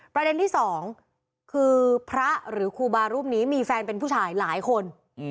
ประเด็นที่สองคือพระหรือครูบารูปนี้มีแฟนเป็นผู้ชายหลายคน